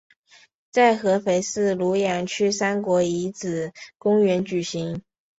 在合肥市庐阳区三国遗址公园举行。